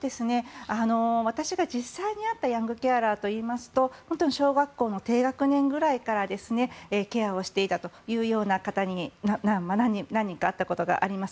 私が実際に会ったヤングケアラーといいますと小学校低学年くらいからケアをしていたというような方に何人かあったことがあります。